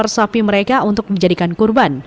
mereka juga menawar sapi mereka untuk menjadikan kurban